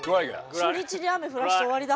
初日に雨降らして終わりだ。